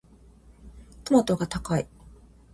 トマトが高い。